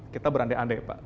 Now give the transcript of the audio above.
kita berandai andai pak